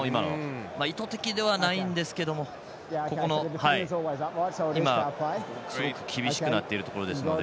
意図的ではないんですけども今すごく厳しくなっているところですので。